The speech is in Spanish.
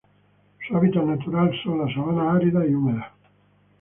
Su hábitat natural son: sabanas áridas y húmedas.